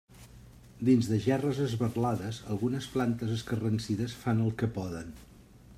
Dins de gerres esberlades algunes plantes escarransides fan el que poden.